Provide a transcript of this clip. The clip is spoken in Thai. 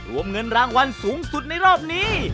รวมเงินรางวัลสูงสุดในรอบนี้